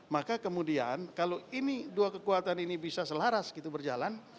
maka kemudian kalau ini dua kekuatan ini bisa selaras gitu berjalan